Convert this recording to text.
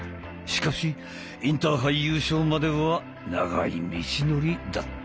しかしインターハイ優勝までは長い道のりだった。